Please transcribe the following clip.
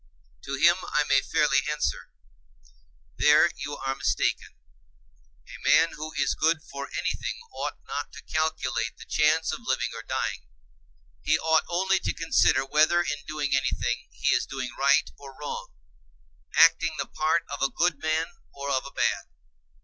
To him I may fairly answer: There you are mistaken: a man who is good for anything ought not to calculate the chance of living or dying; he ought only to consider whether in doing anything he is doing right or wrong—acting the part of a good man or of a bad.